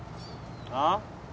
あっ？